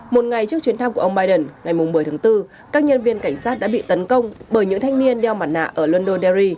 một ngày trước chuyến thăm của ông biden ngày một mươi tháng bốn các nhân viên cảnh sát đã bị tấn công bởi những thanh niên đeo mặt nạ ở londo dari